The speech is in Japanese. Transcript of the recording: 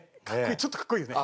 ちょっとかっこいいよね。